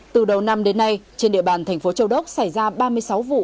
từ đầu năm đến nay trên địa bàn thành phố châu đốc xảy ra ba mươi sáu vụ